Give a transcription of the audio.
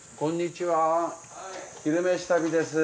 「昼めし旅」です。